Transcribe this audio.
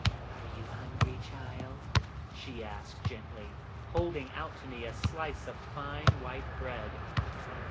"Are you hungry, child?" she asked gently, holding out to me a slice of fine white bread.